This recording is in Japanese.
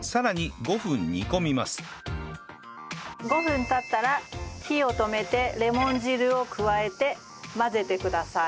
５分経ったら火を止めてレモン汁を加えて混ぜてください。